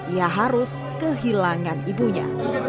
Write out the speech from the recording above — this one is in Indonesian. ia harus kehilangan ibunya